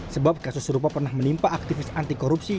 sebab kasus serupa pernah menimpa aktivis anti korupsi